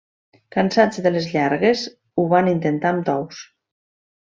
Cansats de les llargues, ho van intentar amb Tous.